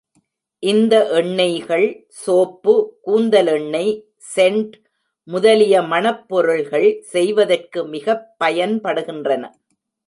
இந்த எண்ணெய்கள், சோப்பு, கூந்தலெண்ணெய், செண்ட் முதலிய மணப் பொருள்கள் செய்வதற்கு மிகப் பயன் படுகின்றன.